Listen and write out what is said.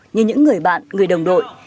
như những người bạn người đồng đội